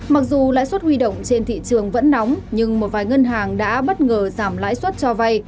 mặc dù lãi suất huy động trên thị trường vẫn nóng nhưng một vài ngân hàng đã bất ngờ giảm lãi suất cho vay